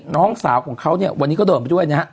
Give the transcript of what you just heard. น้องสาวของเขาเนี่ยวันนี้ก็เดินไปด้วยนะฮะ